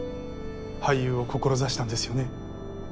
俳優を志したんですよね？